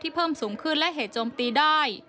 เพิ่มสูงขึ้นและเหตุโจมตีได้